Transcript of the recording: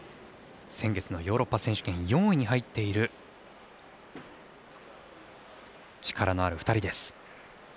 先月のヨーロッパ選手権４位に入っている力のある２人です。